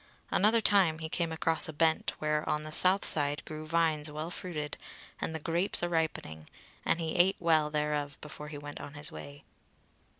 Another time he came across a bent where on the south side grew vines well fruited, and the grapes a ripening; and he ate well thereof before he went on his way.